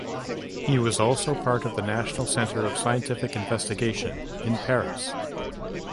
He was also part of the National Center of Scientific Investigation in Paris.